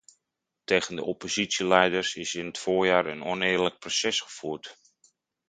Tegen de oppositieleiders is in het voorjaar een oneerlijk proces gevoerd.